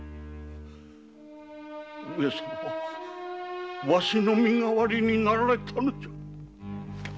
上様はわしの身代わりになられたのじゃ。